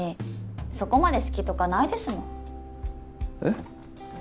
そこまで好きとかないですもんえっ？